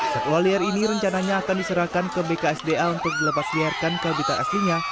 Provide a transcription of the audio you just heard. setelah liar ini rencananya akan diserahkan ke bksda untuk dilepasliarkan kabin terakhirnya